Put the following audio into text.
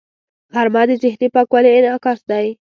غرمه د ذهني پاکوالي انعکاس دی